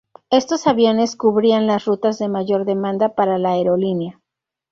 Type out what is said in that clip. Estos aviones cubrían las rutas de mayor demanda para la aerolínea.